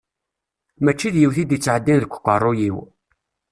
Mačči d yiwet i d-ittɛeddin deg uqerru-yiw.